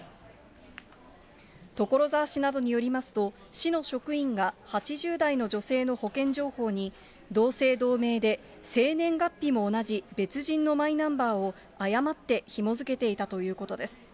所沢市などによりますと、市の職員が８０代の女性の保険情報に、同姓同名で生年月日も同じ別人のマイナンバーを誤ってひもづけていたということです。